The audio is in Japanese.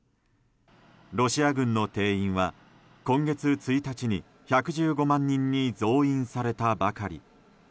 ロシア軍の定員は、今月１日に１１５万人に増員されたばかり。